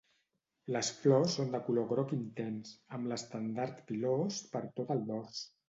Les flors són de color groc intens, amb l'estendard pilós per tot el dors.